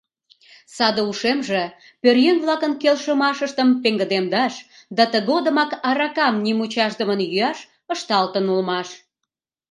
Саде ушемже пӧръеҥ-влакын келшымашыштым пеҥгыдемдаш да тыгодымак аракам нимучашдымын йӱаш ышталтын улмаш.